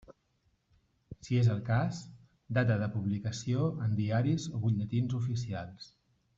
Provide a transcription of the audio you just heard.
Si és el cas, data de publicació en diaris o butlletins oficials.